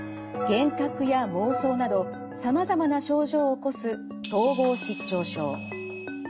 幻覚や妄想などさまざまな症状を起こす統合失調症。